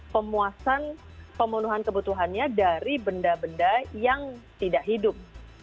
pemuasan pemenuhan kebutuhannya dari benda benda yang tidak hidup